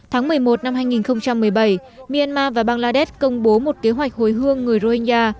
tháng một mươi một năm hai nghìn một mươi bảy m và bangladesh công bố một kế hoạch hồi hương người roya